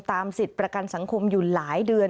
สิทธิ์ประกันสังคมอยู่หลายเดือน